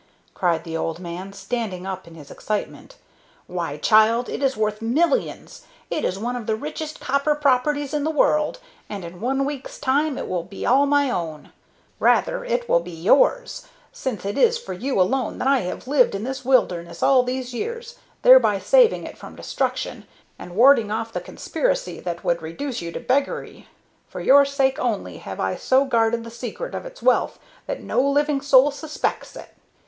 cried the old man, standing up in his excitement. "Why, child, it is worth millions! It is one of the richest copper properties in the world, and in one week's time it will be all my own. Rather, it will be yours, since it is for you alone that I have lived in this wilderness all these years, thereby saving it from destruction, and warding off the conspiracy that would reduce you to beggary. For your sake only have I so guarded the secret of its wealth that no living soul suspects it.